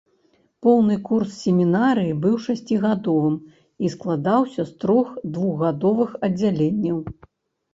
Поўны курс семінарыі быў шасцігадовым і складаўся з трох двухгадовых аддзяленняў.